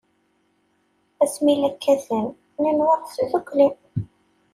Ass mi la katen, nenwa ɣef tdukli.